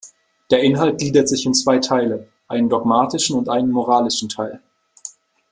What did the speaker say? Der Inhalt gliedert sich in zwei Teile: einen dogmatischen und einen moralischen Teil.